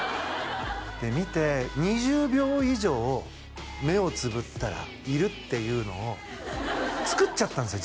見て２０秒以上目をつぶったらいるっていうのを作っちゃったんですよ